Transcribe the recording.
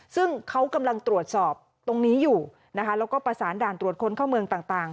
ซึ่งเขากำลังตรวจสอบตรงนี้อยู่นะคะแล้วก็ประสานด่านตรวจคนเข้าเมืองต่าง